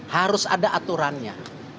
harus ada aturannya